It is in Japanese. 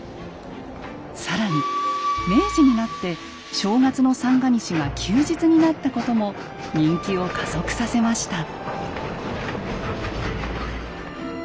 更に明治になって正月の三が日が休日になったことも人気を加速させました。